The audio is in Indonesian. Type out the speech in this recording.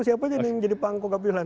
siapa yang jadi pang kogak wilhan